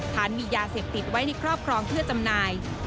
ฐานมียาเสพติดไว้ในครอบครองเพื่อจำหน่าย